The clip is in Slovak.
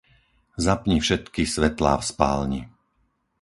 Zapni všetky svetlá v spálni.